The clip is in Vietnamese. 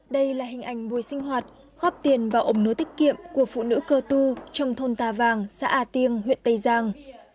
đây là hình ảnh buổi sinh hoạt góp tiền vào ổ nứa tiết kiệm của phụ nữ cơ tu trong thôn tà vàng xã a tiêng huyện tây giang